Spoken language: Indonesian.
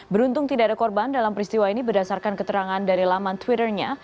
beruntung tidak ada korban dalam peristiwa ini berdasarkan keterangan dari laman twitternya